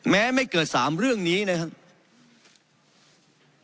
ไม่เกิน๓เรื่องนี้นะครับ